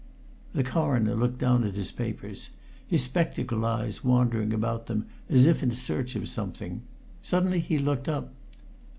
The Coroner looked down at his papers, his spectacled eyes wandering about them as if in search of something. Suddenly he looked up.